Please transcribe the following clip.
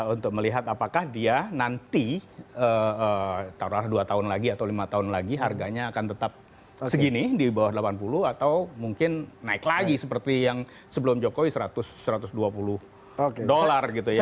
untuk melihat apakah dia nanti taruhlah dua tahun lagi atau lima tahun lagi harganya akan tetap segini di bawah delapan puluh atau mungkin naik lagi seperti yang sebelum jokowi seratus satu ratus dua puluh dolar gitu ya